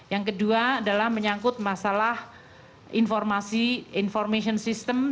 yang kedua adalah menyangkut masalah informasi information system